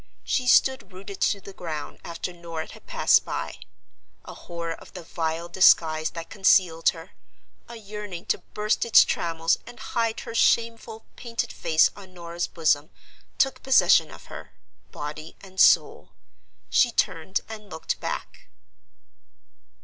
She stood rooted to the ground after Norah had passed by. A horror of the vile disguise that concealed her; a yearning to burst its trammels and hide her shameful painted face on Norah's bosom, took possession of her, body and soul. She turned and looked back.